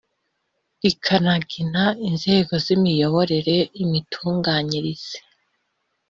rikanagena inzego z imiyoborere imitunganyirize